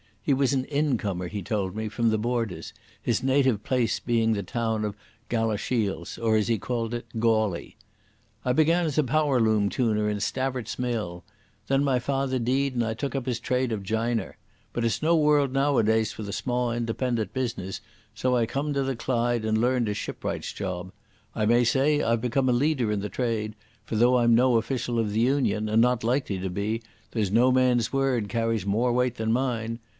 He was an incomer, he told me, from the Borders, his native place being the town of Galashiels, or, as he called it, "Gawly". "I began as a powerloom tuner in Stavert's mill. Then my father dee'd and I took up his trade of jiner. But it's no world nowadays for the sma' independent business, so I cam to the Clyde and learned a shipwright's job. I may say I've become a leader in the trade, for though I'm no an official of the Union, and not likely to be, there's no man's word carries more weight than mine.